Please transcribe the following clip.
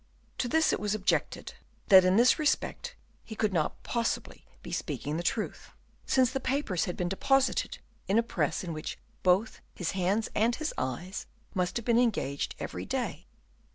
To this it was objected, that in this respect he could not possibly be speaking the truth, since the papers had been deposited in a press in which both his hands and his eyes must have been engaged every day.